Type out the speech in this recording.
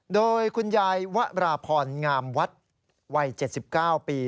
โดยคุณยายวราพรงามวัดวัย๗๙ปี